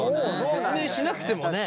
説明しなくてもね。